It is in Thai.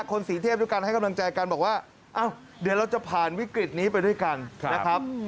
คนสีเทพด้วยกันให้กำลังใจกันบอกว่าเดี๋ยวเราจะผ่านวิกฤตนี้ไปด้วยกันนะครับ